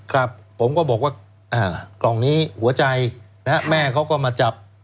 ครับผมก็บอกว่ากล่องนี้หัวใจแม่เขาก็มาจับ